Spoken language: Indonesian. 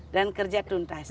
dan kerja tuntas